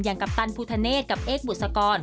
อย่างกัปตันพุทธเนศกับเอกบุษกร